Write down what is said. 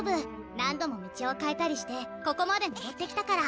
何度も道を変えたりしてここまで登ってきたから。